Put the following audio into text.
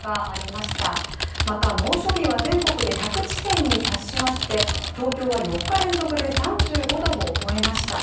また猛暑日は全国で１００地点に達しまして、東京は４日連続で３５度を超えました。